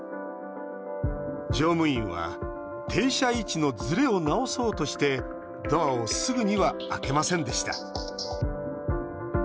乗務員は停車位置のずれを直そうとしてドアをすぐには開けませんでした。